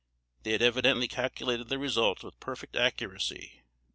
They had evidently calculated the result with perfect accuracy.